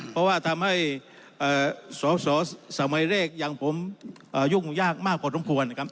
เพราะทำให้สหสสมรอย่างผมยุ่งยากมากพอดนมควร